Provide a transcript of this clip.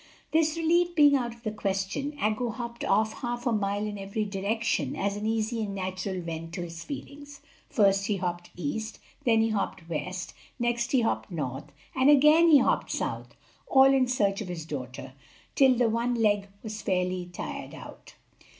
This relief being out of the question, Aggo hopped off half a mile in every direction as an easy and natural vent to his feelings. First he hopped east, then he hopped west, next he hopped north, and again he hopped south, all in search of his daughter; till the one leg was fairly tired out.